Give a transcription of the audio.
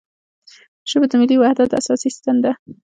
ژبه د ملي وحدت اساسي ستن ده